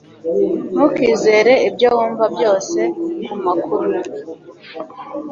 Ntukizere ibyo wumva byose kumakuru